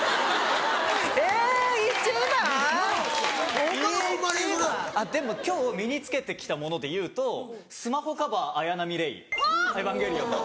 え一番⁉でも今日身に着けて来たものでいうとスマホカバー綾波レイ『エヴァンゲリオン』の。